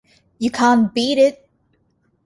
You can't beat it.